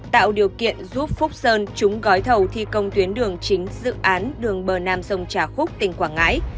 tạo điều kiện giúp phúc sơn trúng gói thầu thi công tuyến đường chính dự án đường bờ nam sông trà khúc tỉnh quảng ngãi